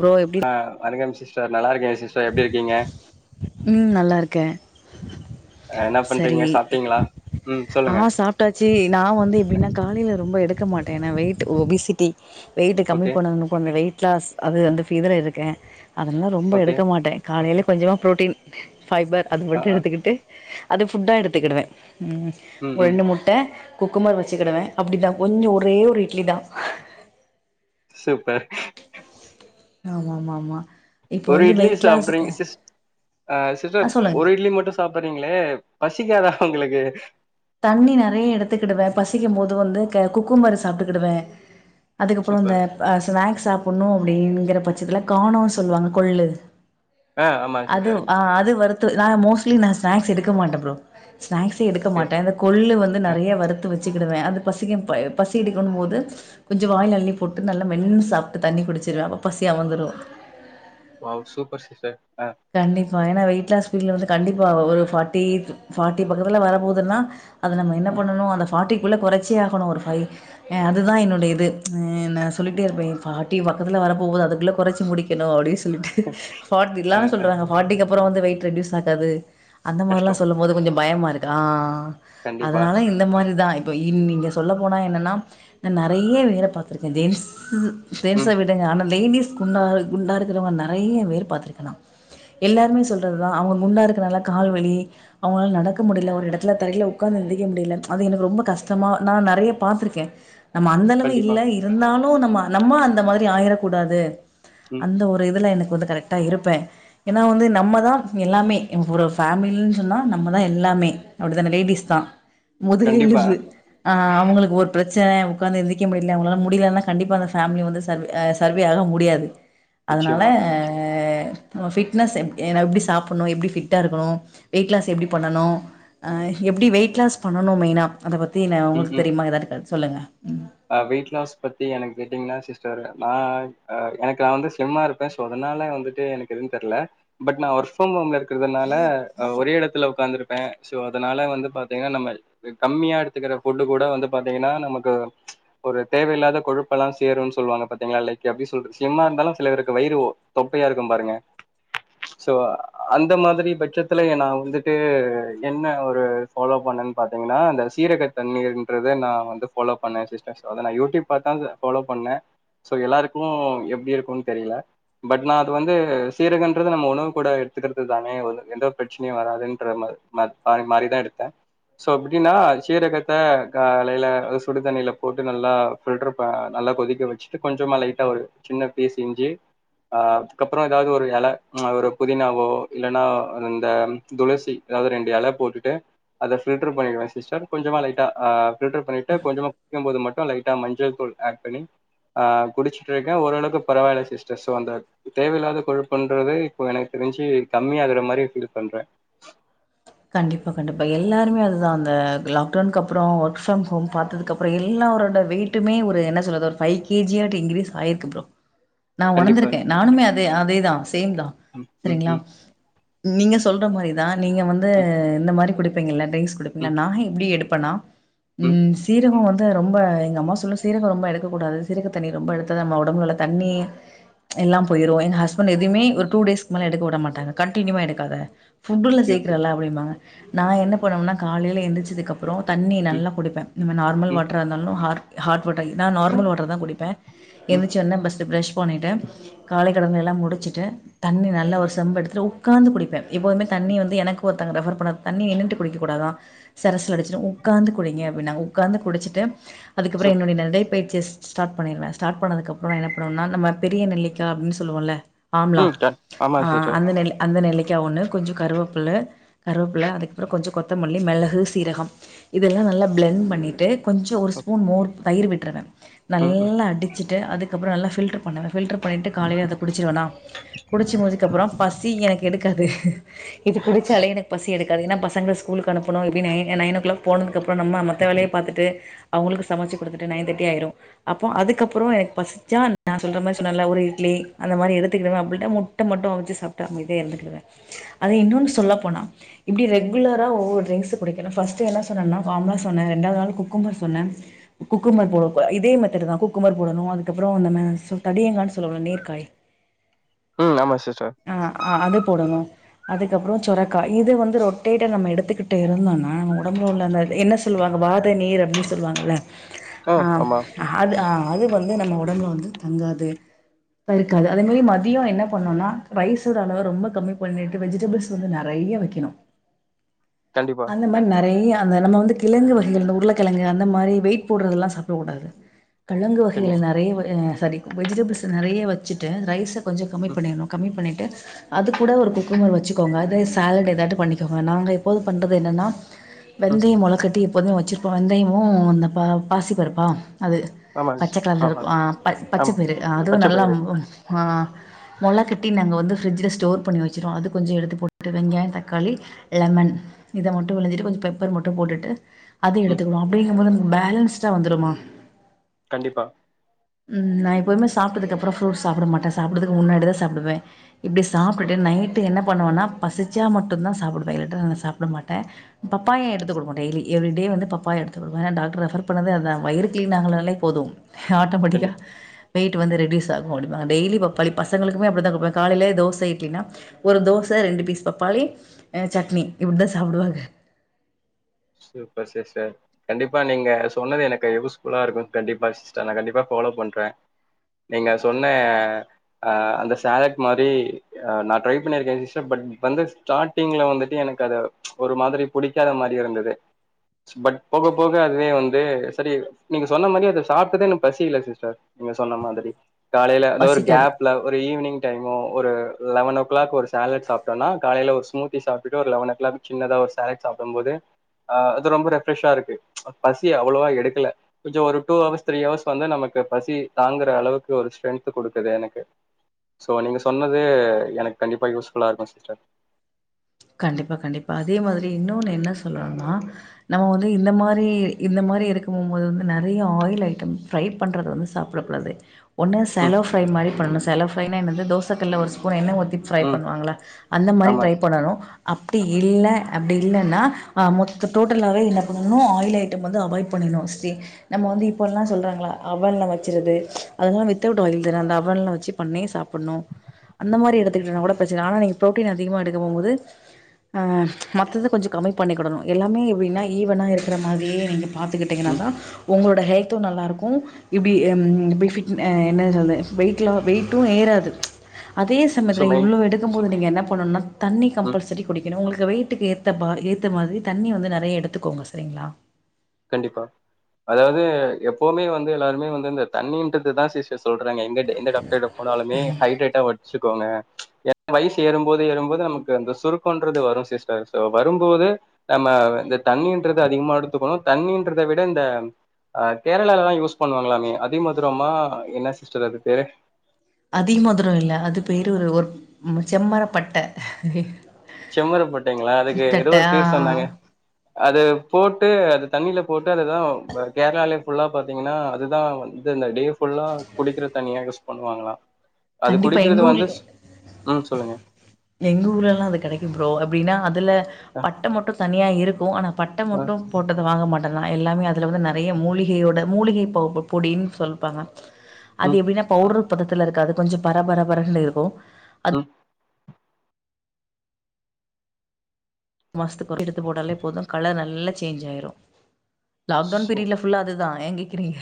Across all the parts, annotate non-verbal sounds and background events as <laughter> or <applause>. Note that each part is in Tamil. ப்ரோ எப்டி ஆ வணக்கம் சிஸ்டர் நல்லா இருக்கே சிஸ்டர் எப்டி இருக்கீங்க ம் நல்லா இருக்கே அ, என்ன சேரி பண்றீங்க சாப்ட்டீங்களா ம் ஆ சொல்லுங்க சாப் ட்டாச்சி நா வந்து எப்டின்னா காலைல ரொம்ப எடுக்க மாட்டே ஏனா வெயிட் ஒபிசிட்டி வெயிட் கம்மி ஓகே பண்ணனு கொஞ்ச வெயிட் லாஸ் அது வந்து ஃபீவரா இருக்கே அதெல்லா ரொம்ப ஓகே எடுக்க மாட்டே காலைல கொஞ்சமா ப்ரோட்டீன் ஃபைபர் அது ஆ மட்டு ஆ எடுத்துக்கிட்டு அது ஃபுட்டா எடுத்துக்கிடுவே ம் ம் ரெண்டு மூண் முட்ட குக்கும்பர் வெச்சுக்கிடுவே அப்டிதா கொஞ்சோ ஒரே ஒரு இட்லி தா சூப்பர் ஆமாமாமா ஒரு இட்லி சாப்டுறீங்க சிஸ் அ சிஸ்டர் ஆ சொல்லுங்க ஒரு இட்லி மட்டு சாப்பறீங்ளே பசிக்காதா உங்களுக்கு தண்ணி நெறையா எடுத்துக்கிடுவே பசிக்கும் போது வந்து குக்கும்பரு சாப்பிட்டுக்கிடுவே அதுக்கப்றோ இந்த சூப்பர் ஸ்நாக்ஸ் சாப்பட்ணு அப்படிங்கற பட்சத்துல கானோ சொல்லுவாங்க கொள்ளு ஆ ஆமா அது சிஸ்டர் ஆ அது வறுத்து நா மோஸ்ட்லி நா ஸ்நாக்ஸ் எடுக்க மாட்டே ப்ரோ ஸ்நாக்ஸே ஓகே ட்டே இந்த கொல்லு வந்து ஆ நெறையா வறுத்து வெச்சுக்கிடுவே அது பசிக் அ பசி எதுக்கும் போது கொஞ்ச வாயில அள்ளி போட்டு நல்லா மென்னி சாப்ட்டு தண்ணி குடுச்சிருவே அப்ப பசி அமர்ந்திரு வாவ் சூப்பர் சிஸ்டர் அ கண்டிப்பா ஏனா வெயிட் லாஸ் ஸ்பீட்ல வந்து கண்டிப்பா ஒரு ஃபாட்டி ஃபாட்டி பக்கத்துல வர போகுதுன்னா அத நம்ம என்ன பண்ணணு அந்த ஃபடிக்குள்ள குறைச்சே ஆகணு ஒரு ஃபை அதுதா என்னுடைய இது நா சொல்லிட்டே இருப்பே ஏ ஃபட்டி பக்கத்துல வரப்போகுது அதுக்குள்ள குறைச்சு முடிக் னு அப்டின்னு சொல்லிட்டு ஃபட்டிலா ஆ ஆ ஆ சொல்றாங்க ஃபட்டிக்கு அப்பற வந்து வெயிட் ரெடியூஸ் ஆகாது அந்த மாதிரல்லா கஷ்டோ சொல்லும் போது கொஞ்சோ பயமா இருக்கா ஆ கண்டிப்பா அதனால இந்த மாரி தா இப்போ இ நீங்க சொல்ல போனா என்னென்னா நா நெறையா வேல பாத்துருக்கே தேவ்ஸ் சு ம் ஜென்ஸ்ச விடுங்க ஆனால் லேடிஸ் குண்டா குண்டா இருக்கிறவங்க நெறைய வேர் பாத்துருக்கனா எல்லாருமே சொல்றதுதா அவங்க குண்டா இருக்கனால கால்வலி அவங்களால நடக்க முடியல ஒரு எடத்துல தரையில உக்காந்து எந்தரிக்க முடியல அது எனக்கு ரொம்ப கஷ்டமா நா நெறையா பாத்திருக்கே நம்ம அந்த அளவு கண்டிப்பா இல்ல இருந்தாலு நம்ம நம்ம அந்த மாதிரி ஆயிரக் கூடாது ம் அந்த ஒரு இதுல எனக்கு வந்து கரெக்டா இருப்பே ஏனா வந்து நம்மதா எல்லாமே ஒரு ஃபேமில்னு சொன்னா நம்மதா எல்லாமே அப்டித்தான லேடிஸ்தா முதுகு கண்டிப்பா எலும்பு ஆ அவுங்களுக்கு ஒரு பிரச்சன உக்காந்து எந்திரிக்க முடியல அவங்களால முடியலைன்னா கண்டிப்பா அந்த ஃபேமிலி வந்து சர் சர்வே ஆக முடியாது அதனால நிச்சயமா ஆ நம்ம ஃபிட்னஸ் எ எப்டி சாப்ணு எப்டி ஃபிட்டாக இருக்கணு வெயிட்லாஸ் எப்டி பண்ணணு அ எப்டி வெயிட் லாஸ் பண்ணனு மெய்னா அத பத்தி நா ம் உங்களுக்கு ம் தெரியுமா ஏதாது இருக்க சொல்லுங்க ம் வெயிட் லாஸ் பத்தி எனக்கு கேட்டீங்கன்னா சிஸ்டர் நா எனக்கு நா வந்து சில்ம்மா இருக் ப்ளஸ் அதனால வந்துட்டு எனக்கு எதுன்னு தெர்ல பட் நா ஒர்க் ஃப்ரம் ஹோம் இருக்கிறதுனால ஒரே எடத்துல உக்காந்துருப்பே சோ அதனால வந்து பாத்தீங்கன்னா நம்ம கம்மியா எடுத்துக்கிற ஃபுட்டு் கூட வந்து பாத்தீங்கன்னா நமக்கு ஒரு தேவையில்லாத கொழுப்பெல்லா சேரும்ன்னு சொல்லுவாங்க பாத்தீங்ளா லைக் அப்டி சொல்ற சில்ம்மா இருந்தாலு சிலருக்கு வயிற ஓ தொப்பையா இருக்கு பாருங்க சோ அந்த மாதிரி பட்சத்துல நா வந்துட்டு என்ன ஒரு ஃபாலோ பண்ணு பாத்தீங்கன்னா இந்த சீரக தண்ணீன்றது நா வந்து ஃபாலோப் பண்ணே சிஸ்டர் அத நா யூடியூப் பாத்தா ஃபாலோ பண்ணே சோ எல்லாருக்கு எப்டி இருக்குன்னு தெரியல பட் நா அது வந்து சீரகன்றது நம்ம உணவு கூட எடுத்துக்கிறது தானே எந்த பிரச்சனையு வராதுன்ற மாரி மாத் மாரி மாரிதா எடுத்தே சோ எப்டின்னா சீரகத்த காலையில சுடு தண்ணில போட்டு நல்லா பில்டர் ப நல்லா கொதிக்க வச்சுட்டு கொஞ்சமா லைட்டாக ஒரு சின்ன பீஸ் இஞ்சி அதுக்கப்பற ஏதாவது ஒரு எல ஒரு புதினாவோ இல்லைனா இந்த துளசி ஏதாவது ரெண்டு எல போட்டுட்டு அத பில்டர் பண்ணிடுவே சிஸ்டர் கொஞ்சமா லைட்டா பில்டர் பண்ணி <unintelligible> கொஞ்சமா குடிக்கும் போது மட்டு லைட்டா மஞ்சள் தூள் ஆட் பண்ணி ஆ குடிச்சிட்டுருக்கே ஓரளக்கு பரவால்ல சிஸ்டர் சோ அந்த தேவயில்லாத கொழுப்புண்றது இப்போ எனக்கு தெரிஞ்சு கம்மி ஆகுற மாரி ஃபீல் பண்றே கண்டிப்பா கண்டிப்பா எல்லாருமே அதுதா அந்த லாக்டோனு அப்றோ ஒர்க் ஃப்ரம் ஹோம் பாத்ததுக்கு அப் அப்றோ எல்லாரோட வெய்டுமே ஒரு என்ன சொல்றது ஒரு ஃபைவ் கேஜியாட்டி இன்கிரீஸ் ஆயிருக்கு ப்ரோ நா கண்டிப்பா உணந்திருக்கே நானுமே அதே அதேதா சேம் தா ம் ம் செரிங்ளா ம் நீங்க சொல்ற மாரிதா நீங்க வந்து ம் இந்த மாரி குடிப்பீங்கல்ல டிரீங்ஸ் குடுப்பீங்கள்ல ம் நா எப்டி எடுப்பேனா ம் சீரகோ போது ரொம்ப எங்க அம்மா சொல்லு சீரகம் ரொம்ப எடுக்க கூடாது சீரக தண்ணி ரொம்ப எடுத்த நம்ம ஒடம்பு உள்ள தண்ணி எல்லா போயிரு எங்க ஹஸ்பண்ட் எதுமே ஒரு டூ டேஸ்க்கு மேல எடுக்க உட மாட்டாங்க கண்டினியூவா எடுக்காத ஃபுட்ல ஓகே ஓகே சேக்கிறல்ல அப்டிம்பாங்க நா என்ன பண்ணும்ன்னா காலேல எந்திச்சுதுக்கப் அப்றோ தண்ணி ம் நல்லா குடுப்பே நம்ம மார் நார்மல் ம் வாட்ரா இருந்தாலு ஹார் ஹாட் வாட்டர் நா நார்மல் வாட்டர் தா குடிப்பே ம் எந்திச்ச ஒனே பஸ்டு பிரஷ் பண்ணிட்டு காலை கடங்கல்லா முடிச்சுட்டு தண்ணி நல்லா ஒரு செம்பு எடுத்துட்டு உக்காந்து குடிப்பே இப்ப வந்து தண்ணி வந்து எனக் ஒருத்தங்க ரெஃப்பர் பண்ணது தண்ணி நின்னுட்டு குடிக்க கூடாதா செரசுல அடிச்சுடு உக்காந்து குடிங்க அப்டின்னாங்க உக்காந்து குடிச்சிட்டு அதுக்கப்புற சூப் என்னுடை நடை பயிற்சிய ஸ்டார்ட் பண்ணிருவே ஸ்டாட் பண்ணது அப்றோ என்ன பண்ணுவேன்னா நம்ம பெரிய நெல்லிக்கா அப்டின்னு சொல்லுவோல ஆம்லா ம் டன் ஆமா அ சிஸ்டர் அந்த நெ அந்த நெல்லிக்கா ஒன்னு கொஞ்ச கருவப்புள்ள கருவப்புல அதுக்கப்புற கொஞ்ச கொத்தமல்லி மொளகு சீரகம் இதெல்லா நல்லா பிளெண் பண்ணிட்டு கொஞ்ச ஒரு ஸ்பூன் மோர் தயிர் விட்ருவே ம் ம் நல்லா அடிச்சிட்டு அதுக்கப்புற நல்ல ஃபில்டர் பண்ணுவே ஃபில்டர் பண்ணிட்டு காலேல அத குடிச்சுடுவேனா குடிச்சு முடிக்கு அப்புறம் பசி எனக்கு எடுக்காது இது ஸ்- குடிச்சாலே எனக்கு பசி எடுக்காது என்னா பசங்க ஸ் கூலுக்கு அனுப்பணு எப்டி நயின் நயின் ஓ கிளாக் போனதுக்கு அப்றோ நம்ம மத்த வேலைய பாத்துட்டு அவங்களுக்கு சமைச்சு குடுத்துட்டு நையன் தேட்டி ஆயிரு அப்போ அதுக்கப்புறோ எனக் பசிச்சா நா சொல்ற மாரி சொன்னல்ல ஒரு இட்லி அந்த மாரி எடுத்துக்கிடுவே அப்டினு முட் ட மட்டும் அவிச்சு சாப்டு அமைதியா இருந்துகுடுவே அது இன்னோனு சொல்ல போனா இப்டி ரெகுலரா ஒவ்வொரு டிரிங்ஸ் குடிக்கலா பஸ்டு என்னா சொன்னேன்னா ஆம்லா சொன்னே ரெண்டாது நாள் குக்கும்பர் சொன்னே குக்கும்பர் போடணு இதே மெத்தடு தா குக்கும்பர் போடணு அதுக்கப்புறம் நம்ம சோ தடியங்கான்னு சொல்லுவோ நீர்காய் ம் ஆமா சிஸ்டர் ஆ அது போடணு அதுக்கப்புறோ சொரக்கா இது வந்து ரொட்டேட்டா நம்ம எடுத்துக்கிட்டு இருந்தோன்னா நம்ம ஒடம்புல உள்ள அந்த என்ன சொல்லுவாங்க வாத நீர் அப்டின்னு சொல்லுவாங்கல்ல ஆ அது ஆ அது வந்து நம்ம ஒடம்புல வந்து தங்காது இப்ப இருக்காது அதேவே மதியோ என்ன பண்ணுன்னா ரைஸ்சோட அளவ ரொம்ப கம்மி பண்ணிட்டு வெஜிடபிள்ஸ் வந்து நெறைய வெக்கணு கண்டிப்பா இந்த மாரி நெறைய அந்த நம்ம வந்து கிழங்கு வகைள இந்த உருளக் கிழங்கு அந்த மாரி வெயிட் போடுறதெல்லா சாப்ட கூடாது கிழங்கு வகைல கண்டிப்பா நெறைய சாரி வெஜிடபிள்ஸ்ச நெறைய வச்சுட்டு ரைஸ்ச கொஞ்ச கம்மி ம் பண்ணிறணு கம்மி பண்ணிட்டு அது கூட ஒரு குக்கும்பர் வச்சுக்கோங்க அதே சேலட் ஏதாது பண்ணிக்கோங்க நாங்க எப்போது பண்றது என்னன்னா ம் வெந்தயம் முளைக்கட்டி எப்போதுமே வச்சுருப்போ வெந்தயமும் அந்த பா பாசிப்பருப்பா அது பச்ச கலர்ல இருக்கு ஆ ப ஆமா பச்சப்பயிரு அதுவு பச்ச நல்லா பயிறு ம் ஆ மொல கட் டி நாங்க வந்து ஃப்ரிஜ்ல ஸ்டோர் பண்ணி வச்சுருவோ அது கொஞ்ச எடுத்து போட்டு வெங்காய தக்காளி லெமன் இத மட்டு விழுஞ்சிட்டு கொஞ்ச பெப்பர் மட்டு போட்டுட்டு அதுயு ம் எடுத்துக்குவோ அப்டிங்கு போதுக்கு பேலன்ஸ்டா வந்துருமா கண்டிப்பா ம் நா எப்வுமே சாப்டது அப்றோ ஃப்ரூட் சாப்ட மாட்டே சாப்பறதுக்கு முன்னாடி தா சாப்புடுவே இப்புடி சூப்பர் சாப்புட்டுட்டு நைட்டு என்ன பண்ணுவோன்னா பசிச்சா மட்டுதா சாப்புடுவே இல்லாட்ட நா சாப்புட மாட்டே பப்பாய எடுத்து கொடுப்போ டெய்லி எவ்ரிடே வந்து பப்பாய எடுத்துகுவே டாக்டர் ரெபர் பண்ணதே அதுதா வயிறு கிளின்ஆகனாலே போது ஆட்டோமேட்டிக்கா கண்டிப்பா வெயிட் வந்து ரெடியூஸ் ஆகு அப்டிம்பாங்க டெய்லி பப்பாளி பசங்களுக்கு த்துக்குமே அப்புடிதா குடுப்பேன் காலேல தோசை இட்லீனா ஒரு தோசை ரெண்டு பீஸ் பப்பாளி அ சட்னி இப்புடி தா சாப்புடுவாக சூப்பர் சிஸ்டர் கண்டிப்பா நீங்க சொன்னது எனக்கு யூஸ் ஃபுல்லா இருக்கு கண்டிப்பா சிஸ்டர் நா கண்டிப்பா ஃபாலோ பண்றே நீங்க சொன்ன அ அந்த சாலட் மாரி ஆ நா ட்ரை பண்ணியிருக்கே சிஸ்டர் பட் வந்து ஸ்டாட்டிங்ல வந்துட்டு எனக்கு அது ஒரு மாரி புடிக்காத மாரி இருந்தது த்தே பட் போக போக அதுவே வந்து சரியாயிரு நீங்க சொன்ன மாரி அத சாப்டதே இன்னு பசியில்ல சிஸ்டர் நீங்க சொன்ன மாதிரி காலையில வந்து ஒரு பசிக்காது கேப் உள்ள ஒரு ஈவ்னிங் டைமோ ஒரு லெவன் ஓ கிளாக் ஒரு சேலட் சாப்ட்டோனா காலைல ஓரு ஸ்முத்தி சாப்புட்டு ஒரு லெவன் ஓ கிளாக் சின்னதா ஒரு சேலேட் சாப்டும் போது ஆ அது ரொம்ப ரெஃப்ரெஷ்ஷா இருக்கு சம் பசி அவ்ளோவா எடுக்கல கொஞ்ச ஒரு டூ அவர்ஸ் த்ரீ அவர்ஸ் வந்து நமக்கு பசி தாங்கற அளவுக்கு ஒரு ஸ்ரென்த் குடுக்குது எனக்கு ஸோ நீங்க சொன்னது எனக்கு கண்டிப்பா யூஸ்ஃபுல்லா இருக்கு சிஸ்டர் கண்டிப்பா கண்டிப்பா அதே மாரி இன்னொன்னூ என்ன சொல்லணுனா நம்ம வந்து இந்த மாரி இந்த மாரி எடுக்கம்போம் போது வந்து நெறைய ஆயில் ஐட்டம் ஃப்ரை பண்ணறத வந்து சாப்புடக்கூடாது ஒன்னு ம் ஷலோ ஃப்ரை மாரி பண்னணு ஷலோ ஃப்ரைனா என்னது தோசக்கல்ல ஒரு ஸ்பு ன் எண்ண ஊத்தி ஃப்ரை ம் பண்ணுவாங்களா அந்த மாரி ஆமா ட்ரை சிஸ் பண்ணனு அப்டி இல்ல அப்டி இல்லன்னா மொத்த டோட்டலாவே என்ன பண்னணு ஆயில் ஐட்டம் வந்து அவாய்ட் பண்ணணு ஸ்ரே நம்ம வந்து இப்போல்லா சொல்றாங்களா அவன்ல வச்சருது அதெல்லா வித்அவுட் ஆயில் தானே அந்த அவன்ல வச்சு பண்ணி சாப்புன்ணு அந்த மாரி எடுத்துக்கிட்டனாகூட பிரச்சன ஆனா நீ புரோட்டீன் அதிகமா எடுக்க போம் போது ஆ மத்தது கொஞ்ச கம்மி பண்ணிகிடணு எல்லாமே எப்புடின்னா ஈவனா இருக்கிற மாரியே நீங்க பாத்துகிட்டிங்கன்னா ம் தா உங்களோட ஹெல்த்து நல்லாருக்கு இப்புடி ம் இப்புடி பிட் என்ன சொல்ர வெய்ட் லா வெய்ட்டு ஏறாது அதே ச சோ த்தமொதல மெயின் இள்ளோ எடுக்கும்போது நீங்க என்ன பண்ணணுனா தண்ணி ம் கம்பல்சரி குடிக்கணு உங்களுக்கு வெயிட்டுக்கு ஏத்த பா ஏத்த மாதிரி தண்ணி வந்து நெறைய எடுத்துக்கோங்க சரிங்களா கண்டிப்பா அதாவது எப்போவுமே வந்து எல்லாருமே வந்து இந்த தண்ணீன்ரது தா சிஸ் என்ட சொல்றாங்க எங்க எந்த டாக்டர்கிட்ட போனாலுமே ஹைட்ரேட்டா வச்சுக்கோங்க ஏ வயசு ஏறும்போது ஏறும் போது நமக்கு அந்த சுருக்கோன்றது வரு சிஸ்டர் சோ வரும்போது நம்ம இந்த தண்ணின்றது அதிகமா எடுத்துக்கணு தண்ணின்றத விட இந்த அ கேரளாலால்லா யூஸ் பண்ணுவாங்களாமே அதிமதுரமா என்ன சிஸ்டர் அது பேரு அதிமதுரம் இல்ல அது பேரு ஒரு செம்மர பட்ட செம்மரப்பட்டைங்களா அதுக்கு ஏதோ ஒரு ஆ பேர் சொன்னாங்க அது போட்டு அது தண்ணியில போட்டு அதுதா கேரளாலே ஃபுல்லா பாத்தீங்கனா அதுதா வந் து‌ இந்த டே‌ புல்லா குடிக்கிற தண்ணியா யூஸ் பண்ணுவாங்களா அது கண்டிப்பா குடிக்கிறது எங்க வந்து ஊர்ல ம் சொல்லுங்க எங்க ஊர்லல்லா அது கெடைக்கு ப்ரோ அப்டின்னா அதுல அ பட்ட மட்டும் தனியா இருக்கு ஆனா பட்ட அ மொட்டும் போட்டது வாங்க மாட்டேனா எல்லாமே அதுல வந்து நெறைய மூலிகையோட மூலிகை ப போ பொடின்னு சொல்ப்பாங்க அது ம் எப்புடின்னா பவுடர் பதத்துல இருக்காது கொஞ்ச பர பர பரன்னு இருக்கு ம் மாசத்துக்கு எத்து போட்டாலே போதும் கலர் நல்லா சேஞ்ச் ஆயிரு லாக்டவுன் சோ பீரியட் புல்லா அதுதா ஏங் கேக்கிறீங்க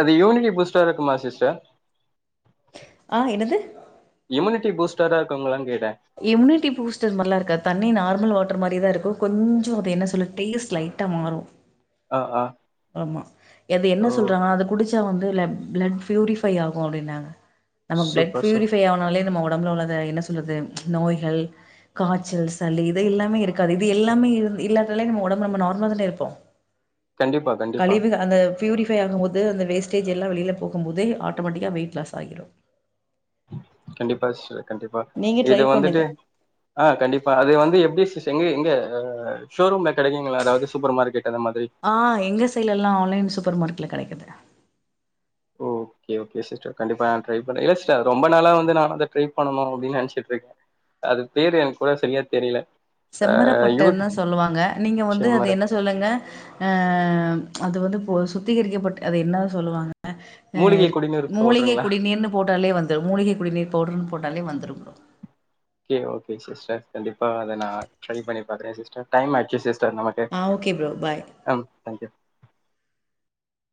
அது யூனியி பூஸ்டா இருக்குமா சிஸ்டர் ஆ என்னது இம்முனிட்டி பூஸ்டரா இருக்குங்களானு கேட்ட இம்யூனிட்டி பூஸ்டர் மாரிலா இருக்காது தண்ணி நார்மல் வாட்டர் மாரி தா இருக்கு கொஞ்சோ அது என்ன சொல்ல டேஸ்ட் லைட்டா மாறு ஆ ஆ ஆமா எது என்ன ஓ சொல்றாங்கன்னா அத குடிச்சா வந்து ள பிளட் ப்யூரிஃபை ஆகு அப்டின்னாங்க நமக்கு ப்ளட் சூப்பர் சூப் பியூரிஃபை ஆவனாலே நம்ம உடம்புல உள்ளத என்ன சொல்றது நோய்கள் காய்ச்சல் சளி இது எல்லாமே இருக்காது இது எல்லாமே இல்லாதால நம்ம உடம்பு நம்ம நார்மல தானே இருப்போ கண்டிப்பா கண்டிப்பா கழிவுக அந்த பியூரிஃபை ஆகுமோது அந்த வேஸ்டேஜ் எல்லா வெளில போகும் போதே ஆட்டோமேட்டிக்கா வெயிட் லாஸ் ஆகிரு கண்டிப்பா சிஸ்டர் கண்டிப்பா நீங்க இது ட்ரை வந்துட்டு பண்ணுங்க ஆ கண்டிப்பா அது வந்து எப்டி சிஸ் எங்க எங்க ஷோரூம்ல கெடைக்குங்ளா அதாவ்து சூப்பர் மார்க்கெட் அந்த மாதிரி ஆ எங்க சைலலா ஆன்லைன் சூப்பர் மார்ட்ல கெடைக்குது ஓ ஓகே ஓகே சிஸ்டர் கண்டிப்பா நான் ட்ரை பண்றே இல்ல சிஸ்டர் ரொம்ப நாளா வந்து நான் அத ட்ரை பண்ணணு அப்டின் நெனச்சிட்ருக்கே அது பேரு எனக்கூட சரியா தெரில செம்மரப்பட்டந்தா சொல்லுவாங்க நீங்க வந்து அது செம்மறா என்ன சொல்லுங்க அ அது வந்து இப்போ சுத்திகரிக்கப்பட்டு அது என்ன சொல்லுவாங்க அ ஆ மூலிகை இரு குடிநீர் மூலிகை பவுடருங்களா குடிநீர்ன்னு போட்டாலே வந்துரு மூலிகை குடிநீர் பவ்ட்ருன் போட்டாலே வந்துரு ப்ரோ ஓகே ஓகே சிஸ்டர் கண்டிப்பா அத நான் ட்ரை பண்ணி பாக்றே சிஸ்டர் டைம் ஆய்ச்சு சிஸ்டர் நமக் ஆ ஓகே ப்ரோ பாய் ஆ தேங்க் யூ